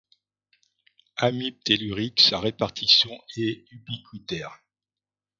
Amibe tellurique, sa répartition est ubiquitaire.